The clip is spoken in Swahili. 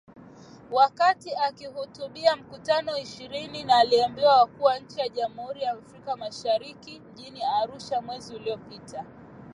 Wakati akihutubia Mkutano wa ishirini na mbiliwa Wakuu wa Nchi wa Jumuiya ya Afrika Mashariki mjini Arusha mwezi uliopita .